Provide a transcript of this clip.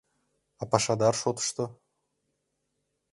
— А пашадар шотышто?